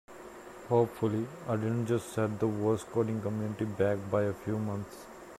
Hopefully I didn't just set the voice coding community back by a few months!